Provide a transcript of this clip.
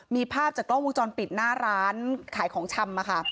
มีภาพจากกล้องมุมจรปิดหน้าร้านขายของชำอ่ะค่ะ